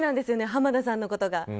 浜田さんのことが。